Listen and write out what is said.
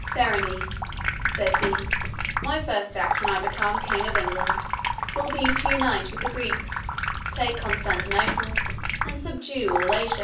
"Verney," said he, "my first act when I become King of England, will be to unite with the Greeks, take Constantinople, and subdue all Asia.